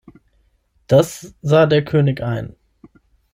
Das sah der König ein.